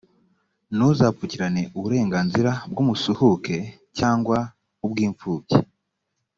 ntuzapfukirane uburenganzira bw’umusuhuke cyangwa ubw’impfubyi.